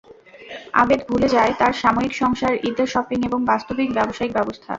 আবেদ ভুলে যায় তার সাময়িক সংসার, ঈদের শপিং এবং বাস্তবিক ব্যবসায়িক ব্যস্ততা।